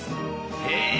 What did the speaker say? へえ。